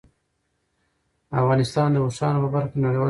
افغانستان د اوښانو په برخه کې نړیوال شهرت لري.